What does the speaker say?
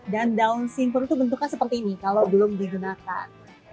dan daun simpur itu bentuknya seperti ini kalau belum digunakan